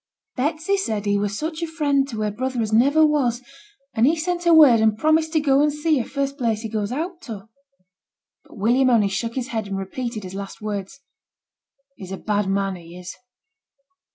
'Betsy said he were such a friend to her brother as niver was; and he's sent her word and promised to go and see her, first place he goes out to. But William only shook his head, and repeated his last words, 'He's a bad man, he is.'